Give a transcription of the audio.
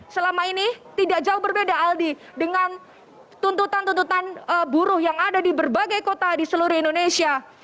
selama ini tidak jauh berbeda aldi dengan tuntutan tuntutan buruh yang ada di berbagai kota di seluruh indonesia